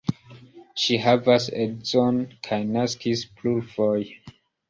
Ŝi havas edzon kaj naskis plurfoje.